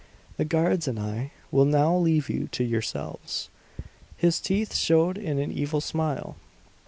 "The guards and I will now leave you to yourselves." His teeth showed in an evil smile.